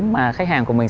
mà khách hàng của mình